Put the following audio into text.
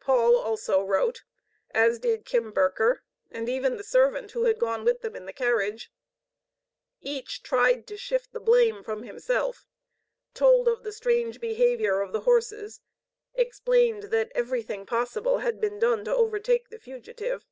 Paul also wrote, as did Kimberker and even the servant who had gone with them in the carriage. Each tried to shift the blame from himself, told of the strange behavior of the horses, explained that everything possible had been done to overtake the fugitive.